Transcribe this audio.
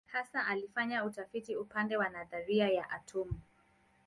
Hasa alifanya utafiti upande wa nadharia ya atomu.